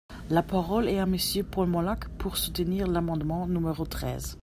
La parole est à Monsieur Paul Molac, pour soutenir l’amendement numéro treize.